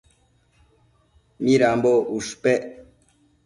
Midambo ushpec